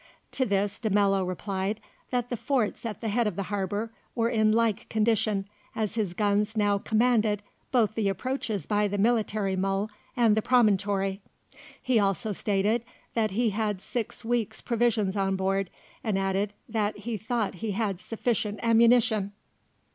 To this De Mello replied that the forts at the head of the harbour were in like condition, as his guns now commanded both the approaches by the military mole and the promontory. He also stated that he had six weeks' provisions on board and added that he thought he had sufficient ammunition.